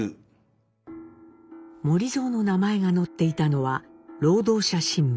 守造の名前が載っていたのは「勞働者新聞」。